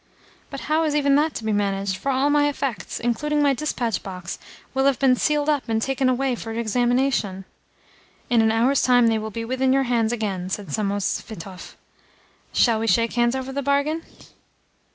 "But how is even that to be managed, for all my effects, including my dispatch box, will have been sealed up and taken away for examination?" "In an hour's time they will be within your hands again," said Samosvitov. "Shall we shake hands over the bargain?"